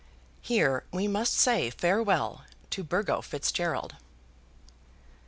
Here we must say farewell to Burgo Fitzgerald.